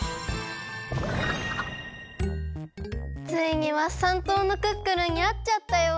ついにワッサン島のクックルンにあっちゃったよ。